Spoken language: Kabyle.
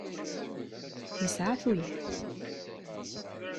Yesɛa tuyat.